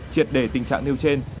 triệt đề tình trạng nêu trên